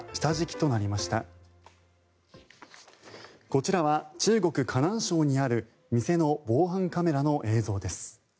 こちらは中国・河南省にある店の防犯カメラの映像です。